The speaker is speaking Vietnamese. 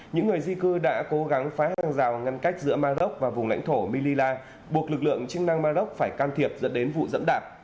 những người di cư đã cố gắng phá hàng rào ngăn cách giữa maroc và vùng lãnh thổ mila buộc lực lượng chức năng maroc phải can thiệp dẫn đến vụ dẫm đạp